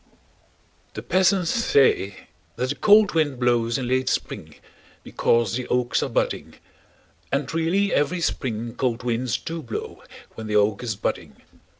The peasants say that a cold wind blows in late spring because the oaks are budding, and really every spring cold winds do blow when the oak is budding.